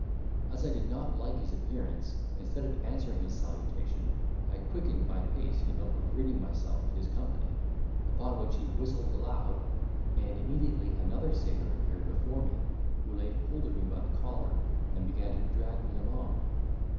As I did not like his appearance, instead of answering his salutation, I quickened my pace, in hope of ridding myself of his company; upon which he whistled aloud, and immediately another sailor appeared before me, who laid hold of me by the collar, and began to drag me along.